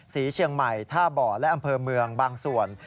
ศรีเชียงใหม่ท่าบ่อและอำเภอเมืองบางส่วน